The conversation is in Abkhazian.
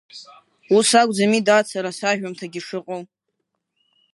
Ус акуӡами, дад, сара сажәамҭагьы шыҟоу?